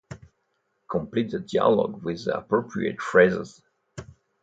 Complete the dialogue with the appropriate phrases.